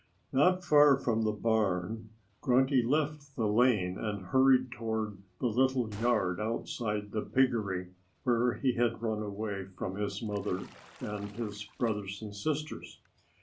Not far from the barn Grunty left the lane and hurried toward the little yard outside the piggery, where he had run away from his mother and his brothers and his sisters.